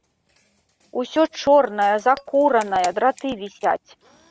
Усё чорнае, закуранае, драты вісяць.